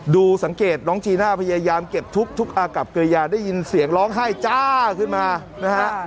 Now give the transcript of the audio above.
สังเกตน้องจีน่าพยายามเก็บทุกอากับเกรยาได้ยินเสียงร้องไห้จ้าขึ้นมานะฮะ